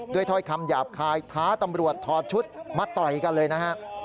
ถ้อยคำหยาบคายท้าตำรวจถอดชุดมาต่อยกันเลยนะฮะ